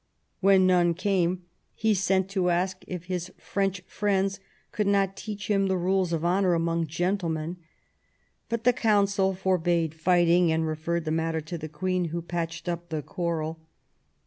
When none came, he sent to ask if his French friends could not teach him the rules of honour among gentlemen. But the Council forbade fighting, and referred the matter to the Queen, who patched up the quarrel.